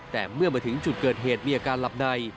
แต่เมื่อมาถึงจุดเกิดเหตุมีอาการหลับใน